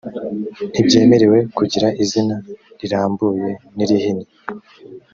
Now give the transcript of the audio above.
ntibyemerewe kugira izina rirambuye n irihinnye